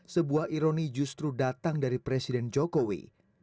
sebuah ironi justru datang dari presiden jokowi